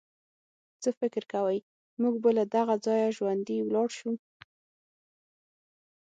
څه فکر کوئ، موږ به له دغه ځایه ژوندي ولاړ شو.